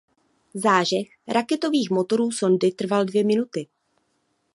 Zážeh raketových motorů sondy trval dvě minuty.